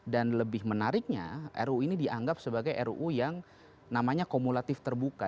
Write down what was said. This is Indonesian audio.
dan lebih menariknya ruu ini dianggap sebagai ruu yang namanya kumulatif terbuka